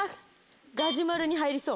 ガジュマルに入りそう。